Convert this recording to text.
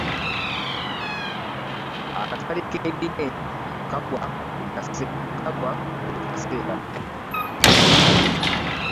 Akatale k'ebirime kagwa buli kaseera.